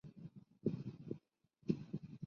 同时改回原先的非空绿皮车底。